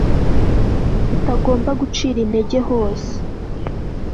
utagomba gucira intege hose